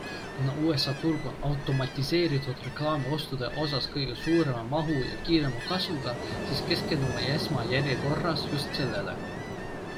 Kuna USA turg on automatiseeritud reklaamiostude osas kõige suurema mahu ja kiirema kasvuga, siis keskendume esmajärjekorras just sellele.